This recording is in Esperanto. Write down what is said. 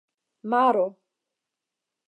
maro